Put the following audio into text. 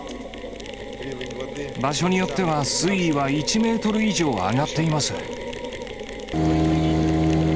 場所によっては、水位は１メートル以上上がっています。